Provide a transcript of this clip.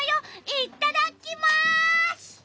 いっただきます！